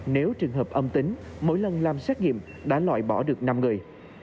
nếu trường hợp âm tính mỗi lần làm xét nghiệm đã loại bỏ được năm người